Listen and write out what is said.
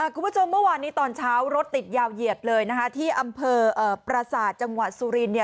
คุณผู้ชมเมื่อวานนี้ตอนเช้ารถติดยาวเหยียดเลยนะคะที่อำเภอประสาทจังหวัดสุรินเนี่ย